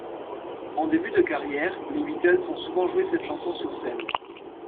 En début de carrière, les Beatles on souvent joué cette chanson sur scène.